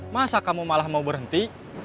masa kamu malah mau berhenti